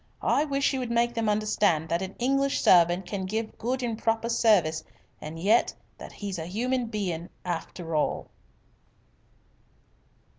I wish you would make them understand that an English servant can give good and proper service and yet that he's a human bein' I after all."